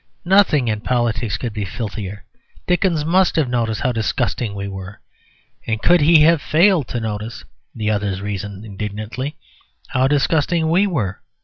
"Nothing in politics could be filthier. Dickens must have noticed how disgusting we were." "And could he have failed to notice," the others reason indignantly, "how disgusting we were?